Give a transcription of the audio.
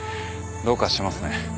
どうかしてますね。